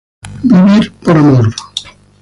Vivir por amor.